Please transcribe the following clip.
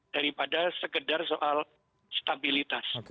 daripada sekedar soal stabilitas